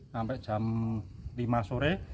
sampai jam lima sore